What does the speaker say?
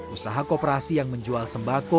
usaha kooperasi yang menjual sembako